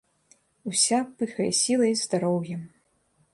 Уся пыхае сілай, здароўем.